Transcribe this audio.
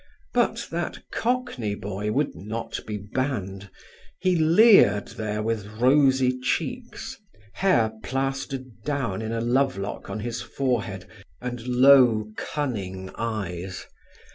But that Cockney boy would not be banned; he leered there with rosy cheeks, hair plastered down in a love lock on his forehead, and low cunning eyes.